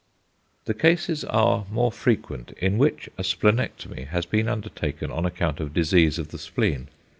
The cases are more frequent in which a splenectomy has been undertaken on account of disease of the spleen.